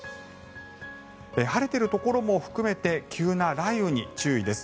晴れているところも含めて急な雷雨に注意です。